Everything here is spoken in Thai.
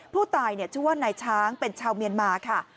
ผู้ตายชื่อว่านายช้างเป็นชาวเมียนมาค่ะ